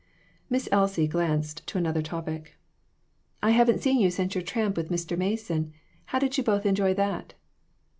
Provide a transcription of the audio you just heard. "Miss Elsie" glanced to another topic. " I haven't seen you since your tramp with Mr. Mason. How did you both enjoy that?"